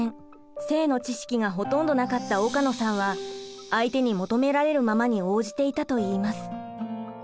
性の知識がほとんどなかった岡野さんは相手に求められるままに応じていたといいます。